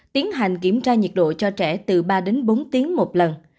tiến hành kiểm tra nhiệt độ cho trẻ từ ba đến bốn tiếng một lần